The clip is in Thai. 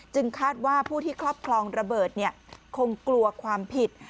คาดว่าผู้ที่ครอบครองระเบิดคงกลัวความผิด